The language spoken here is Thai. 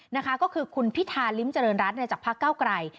นะคะก็คือคุณพิธาริมเจริญรัฐจากพักเก้าไกร